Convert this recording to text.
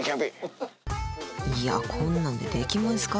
いやこんなんでできますか？